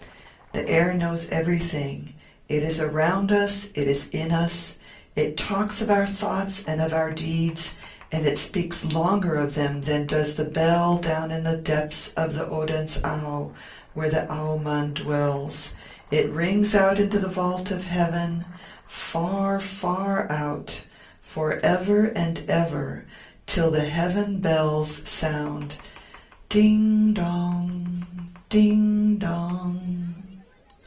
The air knows everything. It is around us, it is in us, it talks of our thoughts and of our deeds, and it speaks longer of them than does the Bell down in the depths of the Odense Au where the Au mann dwells. It rings it out in the vault of heaven, far, far out, forever and ever, till the heaven bells sound "Ding dong! ding dong!"